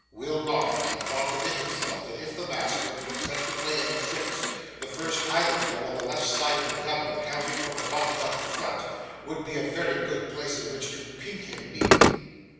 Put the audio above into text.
Will nodded, and thought within himself that if the Mask were to attempt to play any tricks, the first eyelet hole on the left hand side of his doublet, counting from the buttons up the front, would be a very good place in which to pink him neatly.